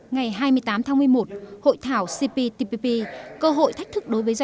ngày hai mươi tám tháng một mươi một hội thảo cptpp cơ hội thách thức đối với doanh nghiệp